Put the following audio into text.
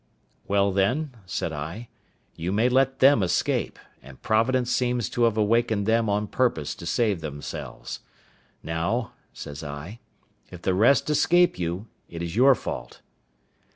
"Well, then," said I, "you may let them escape; and Providence seems to have awakened them on purpose to save themselves. Now," says I, "if the rest escape you, it is your fault."